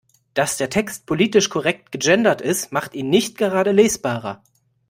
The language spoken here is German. Dass der Text politisch korrekt gegendert ist, macht ihn nicht gerade lesbarer.